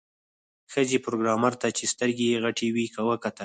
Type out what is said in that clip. ښځې پروګرامر ته چې سترګې یې غټې وې وکتل